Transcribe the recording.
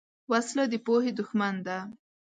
وسله د پوهې دښمن ده